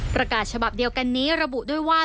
ประกาศฉบับเดียวกันนี้ระบุด้วยว่า